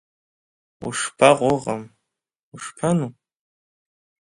Ушԥаҟоу ыҟам, ушԥану…